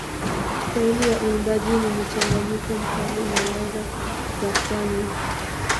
Staili ya uimbaji ni mchanganyiko mkali na ladha za pwani.